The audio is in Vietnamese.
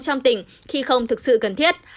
trong tỉnh khi không thực sự cần thiết